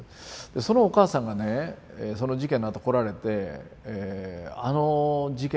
そのお母さんがねその事件のあと来られてあの事件はね